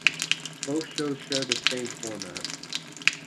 Both shows shared the same format.